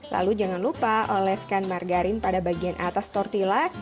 lalu jangan lupa oleskan margarin pada bagian atas tortilla